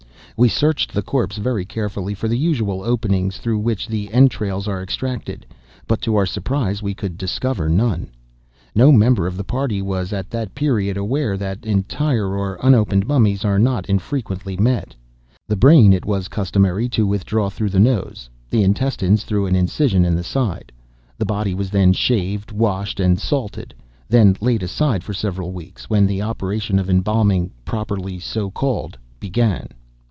We searched the corpse very carefully for the usual openings through which the entrails are extracted, but, to our surprise, we could discover none. No member of the party was at that period aware that entire or unopened mummies are not infrequently met. The brain it was customary to withdraw through the nose; the intestines through an incision in the side; the body was then shaved, washed, and salted; then laid aside for several weeks, when the operation of embalming, properly so called, began.